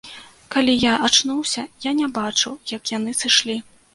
Калі я ачнуўся, я не бачыў як яны сышлі.